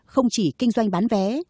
không chỉ kinh doanh bán vé